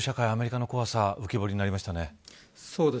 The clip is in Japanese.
アメリカの怖さ浮き彫りになりましたね。